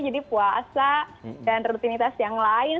jadi puasa dan rutinitas yang lain